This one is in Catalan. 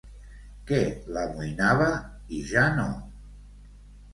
Què l'amoïnava i ja no?